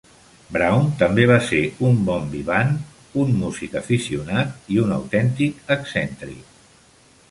Brown també va ser un "bon vivant", un músic aficionat i un autèntic excèntric.